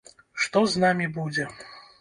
Што з намі будзе?